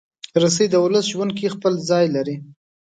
رسۍ د ولس ژوند کې خپل ځای لري.